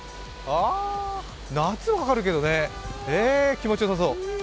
夏は分かるけどね、気持ちよさそう。